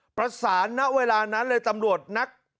ประสานะเวลานั้นเลยตำรวจนัก